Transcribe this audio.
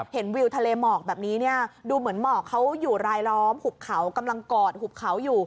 วิวทะเลหมอกแบบนี้เนี่ยดูเหมือนหมอกเขาอยู่รายล้อมหุบเขากำลังกอดหุบเขาอยู่